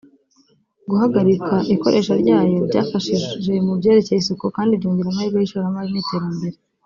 Guharika ikoreshwa ryayo byafashije mu byerekeye isuku kandi byongera amahirwe y’ishoramari n’iterambere